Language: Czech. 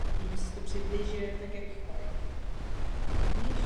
Děvčata ve vsi zpívají smutnou píseň.